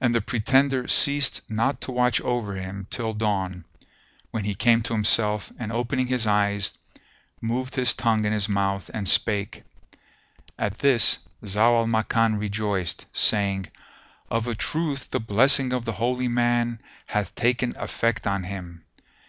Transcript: And the pretender ceased not to watch over him till dawn, when he came to himself and, opening his eyes, moved his tongue in his mouth and spake. At this Zau al Makan rejoiced, saying, "Of a truth the blessing of the Holy Man hath taken effect on him!"